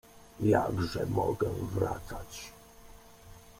Jakże mogę wracać?